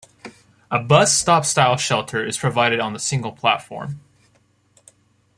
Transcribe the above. A bus-stop style shelter is provided on the single platform.